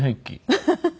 ハハハハ。